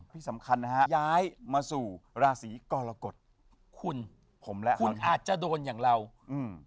ที่สำคัญนะฮะย้ายมาสู่ราศีกรกฎคุณผมและคุณอาจจะโดนอย่างเราอืม